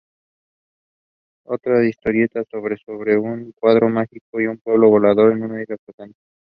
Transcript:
Otras historietas son sobre un cuadro mágico, un pueblo volador o una isla flotante.